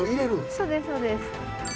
そうです、そうです。